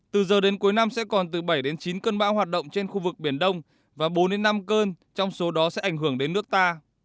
từ giờ đến cuối năm sẽ còn từ bảy đến chín cơn bão hoạt động trên khu vực biển đông và bốn đến năm cơn trong số đó sẽ ảnh hưởng đến nước ta